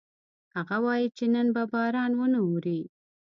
هغه وایي چې نن به باران ونه اوري